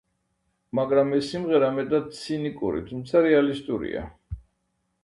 მაგრამ ეს სიმღერა მეტად ცინიკური, თუმცა რეალისტურია.